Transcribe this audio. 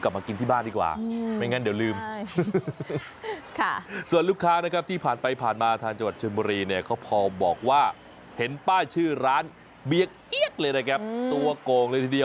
ก็ไม่ผิดหวังครับนี่จะลืมไปอย่างไร